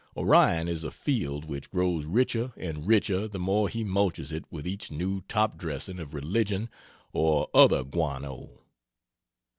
Orion is a field which grows richer and richer the more he mulches it with each new top dressing of religion or other guano.